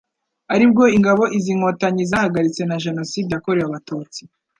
ari bwo ingaboi izi Inkotanyi zahagaritse na Jenoside yakorewe Abatutsi.